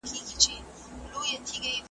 استقامت د بریا راز دی.